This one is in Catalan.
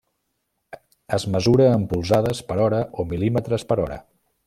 Es mesura en polzades per hora o mil·límetres per hora.